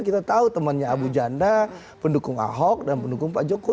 kita tahu temannya abu janda pendukung ahok dan pendukung pak jokowi